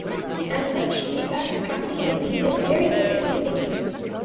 As such, the exact capacity of the is variable and ambiguous.